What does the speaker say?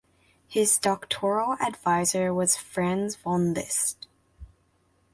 His doctoral advisor was Franz von Liszt.